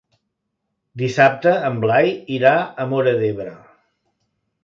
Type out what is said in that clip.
Dissabte en Blai irà a Móra d'Ebre.